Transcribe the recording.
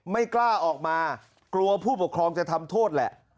ไม่กล้าออกมากลัวผู้ปกครองจะทำโทษแหละ